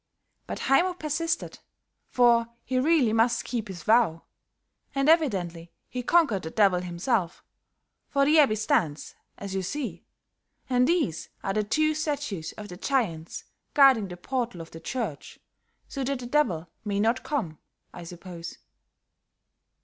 But Haymo persisted, for he really must keep his vow; and evidently he conquered the Devil himself, for the abbey stands, as you see, and these are the two statues of the giants guarding the portal of the church, so that the Devil may not come, I suppose."